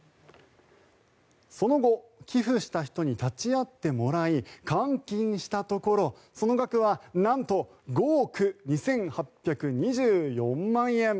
その後、寄付した人に立ち会ってもらい換金したところ、その額はなんと５億２８２４万円。